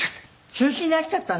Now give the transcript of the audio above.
中止になっちゃったの？